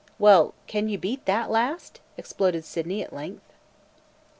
"Well, can you beat that last?" exploded Sydney at length.